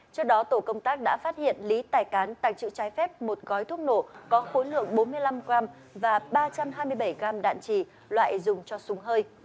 trước đó tổ công tác đã phát hiện lý tài cán tàng trữ trái phép một gói thuốc nổ có khối lượng bốn mươi năm gram và ba trăm hai mươi bảy gram đạn trì loại dùng cho súng hơi